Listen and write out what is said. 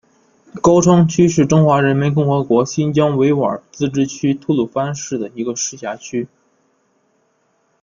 高昌区是中华人民共和国新疆维吾尔自治区吐鲁番市的一个市辖区。